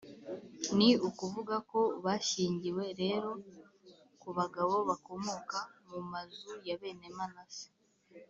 ni ukuvuga ko bashyingiwe rero ku bagabo bakomoka mu mazu ya bene manase